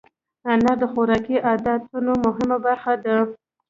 انار د خوراکي عادتونو مهمه برخه ده.